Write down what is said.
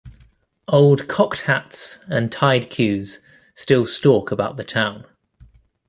Old cocked hats, and tied queues, still stalk about the town.